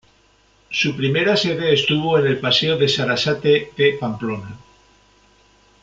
Su primera sede estuvo en el Paseo de Sarasate de Pamplona.